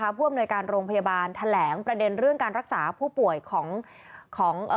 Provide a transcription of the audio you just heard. ผู้อำนวยการโรงพยาบาลแถลงประเด็นเรื่องการรักษาผู้ป่วยของ